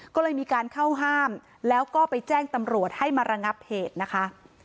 ก็เลยมีการเข้าห้ามแล้วก็ไปแจ้งตำรวจให้มาระงับเหตุนะคะ